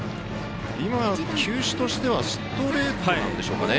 今、球種としてはストレートなんでしょうかね。